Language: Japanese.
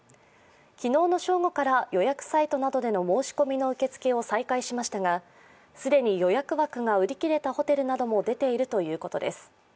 昨日の正午から予約サイトなどでの申し込みの受付を再開しましたが既に予約枠が売り切れたホテルなども出ているということです。